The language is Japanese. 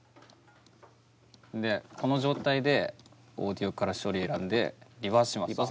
でこの状態でオーディオから処理選んでリバースします。